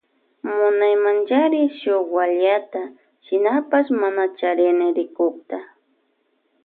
Munaymanchari shuk wallata shinapash mana charini rikukta.